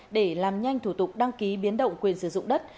để làm nhanh thủ tục đăng ký biến động quyền sử dụng đất